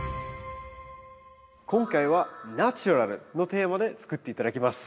今回は「ナチュラル」のテーマで作って頂きます。